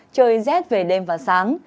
trời rét về đêm và sáng